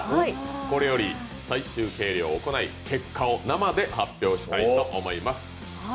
これより最終計量を行い、結果を生で発表したいと思います。